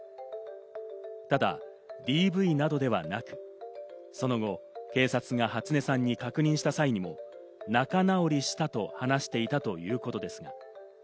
ただＤＶなどではなく、その後、警察が初音さんに確認した際にも仲直りしたと話していたということです。